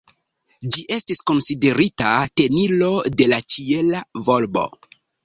Ĝi estis konsiderita tenilo de la ĉiela volbo.